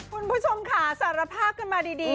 คุณผู้ชมค่ะสารภาพกันมาดี